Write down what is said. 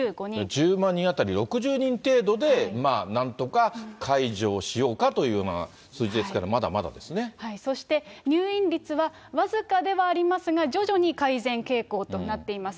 １０万人当たり６０人程度でなんとか解除をしようかという数そして入院率は僅かではありますが、徐々に改善傾向となっています。